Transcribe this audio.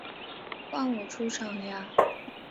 换我出场呀！